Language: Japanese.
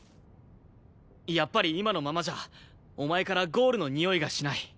やっぱり今のままじゃお前からゴールのにおいがしない。